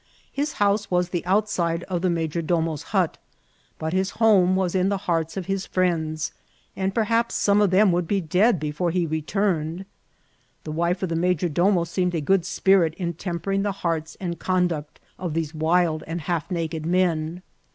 His house was the outside of the major dc»no's hut, but his home was in the hearts of his friends, and perhaps some of them would be dead before he return* ed. The wife of the major domo seemed a good spirit in tempering the hearts and conduct of these wild and half naked men.